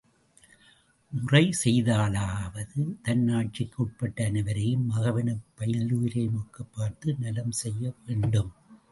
முறை செய்தலாவது தன் ஆட்சிக்குட்பட்ட அனைவரையும், மகவெனப் பல்லுயிரையும் ஒக்கப் பார்த்து நலம் செய்ய வேண்டும்.